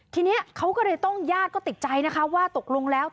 ทีนี้เขาก็เลยต้องญาติก็ติดใจนะคะว่าตกลงแล้ว